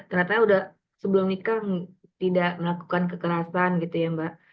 ternyata udah sebelum nikah tidak melakukan kekerasan gitu ya mbak